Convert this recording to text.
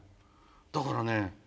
だからね